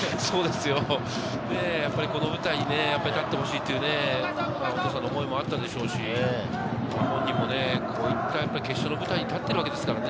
この舞台に立ってほしいというお父さんの思いもあったでしょうし、本人もこういった決勝の舞台に立っているわけですからね。